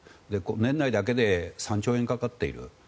年内だけで３兆円かかっている。